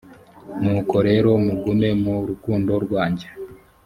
nuko rero mugume mu rukundo rwanjye